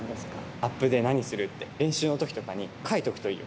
アップで何するって、練習のときとかに書いておくといいよ。